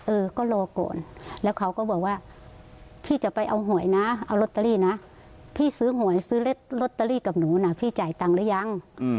เออก็รอก่อนแล้วเขาก็บอกว่าพี่จะไปเอาหวยนะเอาลอตเตอรี่นะพี่ซื้อหวยซื้อลอตเตอรี่กับหนูนะพี่จ่ายตังค์หรือยัง